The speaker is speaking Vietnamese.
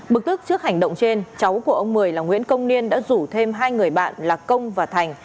bực tức trước hành động trên cháu của ông mười là nguyễn công niên đã rủ thêm hai người bạn là công và thành